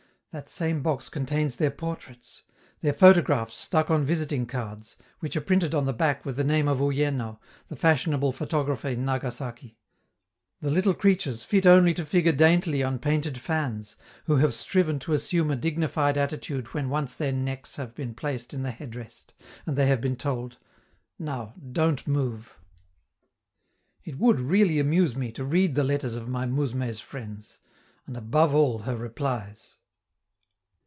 That same box contains their portraits, their photographs stuck on visiting cards, which are printed on the back with the name of Uyeno, the fashionable photographer in Nagasaki the little creatures fit only to figure daintily on painted fans, who have striven to assume a dignified attitude when once their necks have been placed in the head rest, and they have been told: "Now, don't move." It would really amuse me to read the letters of my mousme's friends and above all her replies!